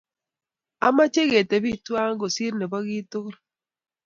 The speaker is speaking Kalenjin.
Amache kitebi tuwan kosir nebo kit tukul